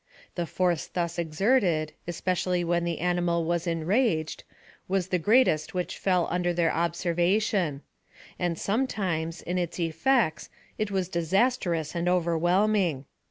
The force thus exerted, especially when the animal was enraged, was the greatest which fell under their observation ; and sometimes, in its effects, it was disastrous and overwhelming.